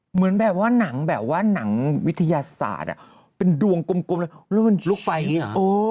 เหมือนแบบว่าหนังแบบว่าหนังวิทยาศาสตร์เป็นดวงกลมเลยแล้วมันลุกไฟอย่างนี้เหรอ